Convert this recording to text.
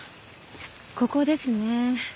ここですね。